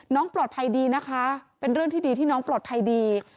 น้องปลอดภัยดีนะคะเป็นเรื่องที่ดีที่น้องปลอดภัยดี